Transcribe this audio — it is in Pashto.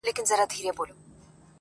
د ژوند په غاړه کي لوېدلی يو مات لاس يمه.